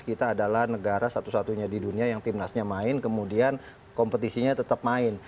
kita adalah negara satu satunya di dunia yang timnasnya main kemudian kompetisinya tetap main